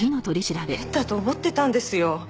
変だと思ってたんですよ。